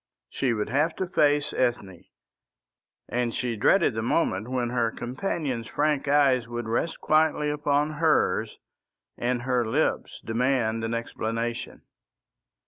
She would have to face Ethne, and she dreaded the moment when her companion's frank eyes would rest quietly upon hers and her lips demand an explanation.